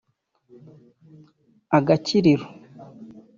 agakiriro